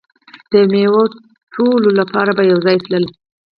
د میوې ټولولو لپاره به یو ځای تلل.